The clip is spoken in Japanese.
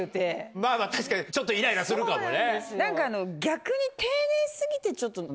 まぁ確かにちょっとイライラするかもね。